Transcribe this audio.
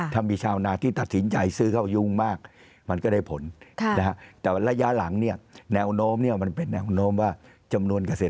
ถ้ามีชาวนาที่ตัดสินใจซื้อเขายุ้งมากมันก็ได้ผลนะฮะ